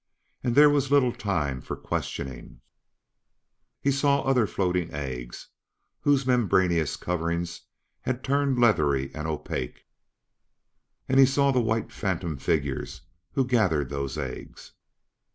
And there was little time for questioning. He saw other floating eggs whose membraneous coverings had turned leathery and opaque. And he saw white phantom figures who gathered those eggs.